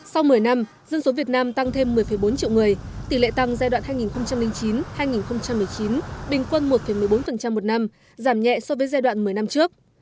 sau một mươi năm dân số việt nam tăng thêm một mươi bốn triệu người tỷ lệ tăng giai đoạn hai nghìn chín hai nghìn một mươi chín bình quân một một mươi bốn một năm giảm nhẹ so với giai đoạn một mươi năm trước